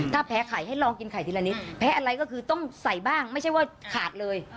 ถ้าแพ้ไข่ให้ลองกินไข่ทีละนิดแพ้อะไรก็คือต้องใส่บ้างไม่ใช่ว่าขาดเลย